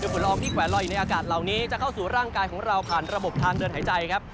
ฝุ่นลองที่แขวนลอยอยู่ในอากาศเหล่านี้จะเข้าสู่ร่างกายของเราผ่านระบบทางเดินหายใจครับ